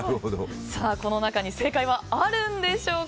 この中に正解はあるのでしょうか。